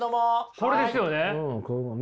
これですよね？